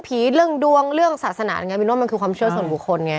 พิธีเรื่องดวงเรื่องศาสนามันคือความเชื่อส่วนบุคคลไง